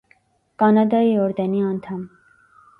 Կանադայի օրդենի անդամ։